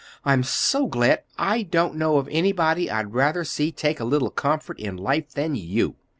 "I'm so glad! I don't know of anybody I'd rather see take a little comfort in life than you!"